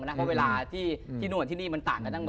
เพราะเวลาที่นั่นกันที่นี่มันต่างกัน